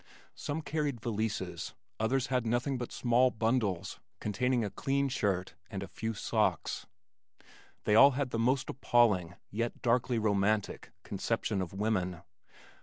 Some carried valises, others had nothing but small bundles containing a clean shirt and a few socks. They all had the most appalling yet darkly romantic conception of women.